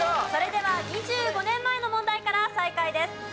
それでは２５年前の問題から再開です。